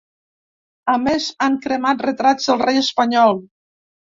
A més, han cremat retrats del rei espanyol.